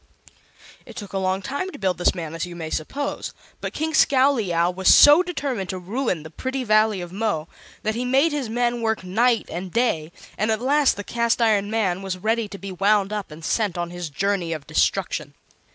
It took a long time to build this man, as you may suppose; but King Scowleyow was so determined to ruin the pretty Valley of Mo that he made his men work night and day, and at last the Cast iron Man was ready to be wound up and sent on his journey of destruction.